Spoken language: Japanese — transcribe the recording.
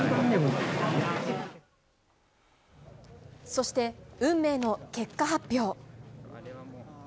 そして運命の結果発表。